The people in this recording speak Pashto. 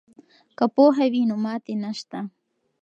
که پوهه وي نو ماتې نشته.